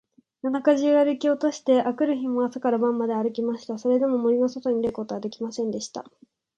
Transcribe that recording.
夜中じゅうあるきとおして、あくる日も朝から晩まであるきました。それでも、森のそとに出ることができませんでした。